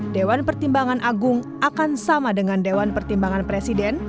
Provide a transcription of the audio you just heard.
dewan pertimbangan agung akan sama dengan dewan pertimbangan presiden